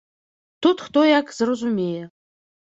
Тут хто як зразумее.